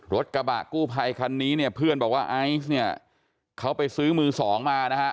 รถกระบะกู้ภัยคันนี้เนี่ยเพื่อนบอกว่าไอซ์เนี่ยเขาไปซื้อมือสองมานะฮะ